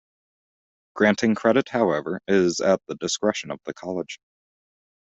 Granting credit, however, is at the discretion of the college.